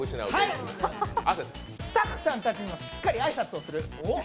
スタッフさんたちにもしっかり挨拶をする。